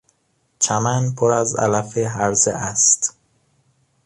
چمن پر از علف هرزه است.